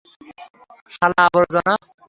শালা, আবর্জনা।